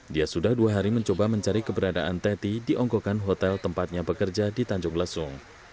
dia sudah dua hari mencoba mencari keberadaan teti di ongkokan hotel tempatnya bekerja di tanjung lesung